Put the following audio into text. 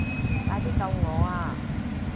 快啲救我啊